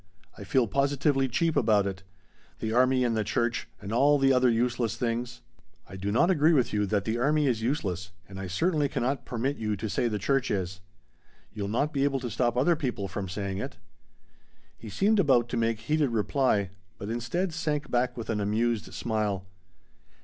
I feel positively cheap about it. The army and the church and all the other useless things " "I do not agree with you that the army is useless and I certainly cannot permit you to say the church is." "You'll not be able to stop other people from saying it!" He seemed about to make heated reply, but instead sank back with an amused smile.